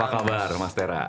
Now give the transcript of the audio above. apa kabar mas tera